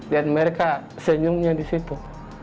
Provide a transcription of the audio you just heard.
mereka senyumnya di situ